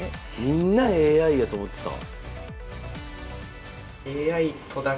みんなＡＩやと思ってた。